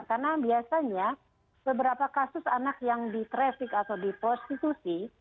karena biasanya beberapa kasus anak yang di traffic atau di prostitusi